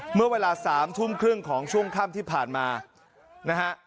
เมื่อเวลา๓ทุ่มครึ่งของช่วงค่ำที่ผ่านมานะฮะ